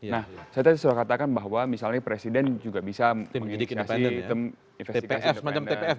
nah saya tadi sudah katakan bahwa misalnya presiden juga bisa mengidik investasi independen